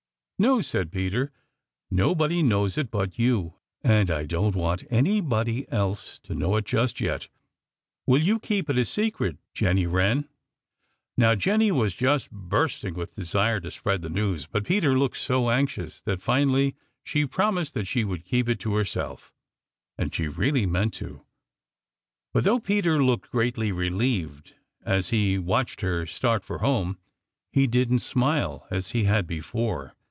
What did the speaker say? "No," said Peter, "nobody knows it but you, and I don't want anybody else to know it just yet. Will you keep it a secret, Jenny Wren?" Now Jenny was just bursting with desire to spread the news, but Peter looked so anxious that finally she promised that she would keep it to herself, and she really meant to. But though Peter looked greatly relieved as he watched her start for home, he didn't smile as he had before.